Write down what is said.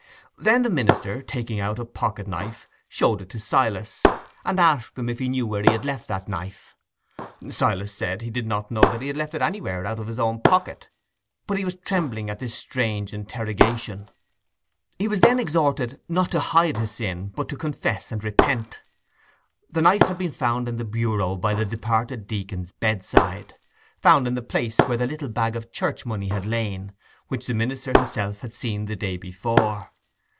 Then the minister, taking out a pocket knife, showed it to Silas, and asked him if he knew where he had left that knife? Silas said, he did not know that he had left it anywhere out of his own pocket—but he was trembling at this strange interrogation. He was then exhorted not to hide his sin, but to confess and repent. The knife had been found in the bureau by the departed deacon's bedside—found in the place where the little bag of church money had lain, which the minister himself had seen the day before.